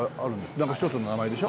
なんか一つの名前でしょ？